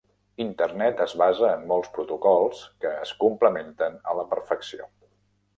Internet es basa en molts protocols que es complementen a la perfecció.